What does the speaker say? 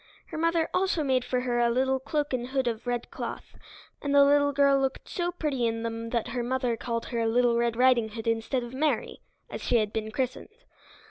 Her mother also made for her a little cloak and hood of red cloth, and the little girl looked so pretty in them that her mother called her Little Red Riding Hood instead of Mary, as she had been christened.